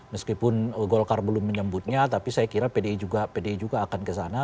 meskipun golkar belum menyebutnya tapi saya kira pdi juga akan kesana